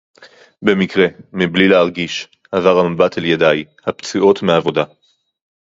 במקרה, מבלי להרגיש, עבר המבט אל ידיי, הפצועות מעבודה.